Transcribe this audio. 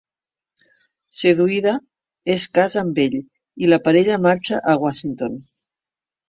Seduïda, es casa amb ell i la parella marxa a Washington.